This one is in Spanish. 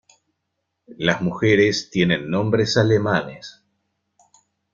Las mujeres tienen nombres alemanes.